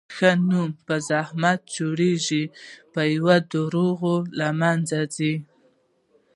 ښه نوم په زحمت جوړېږي، په یوه دروغ له منځه ځي.